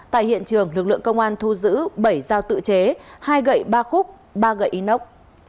tại hiện trường lực lượng công an thu giữ bảy dao tự chế hai gậy ba khúc ba gậy inox